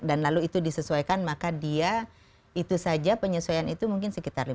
dan lalu itu disesuaikan maka dia itu saja penyesuaian itu mungkin sekitar lima belas